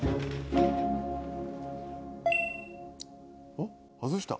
あっ外した！